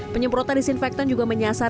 penyemprotan disinfektan juga menyasar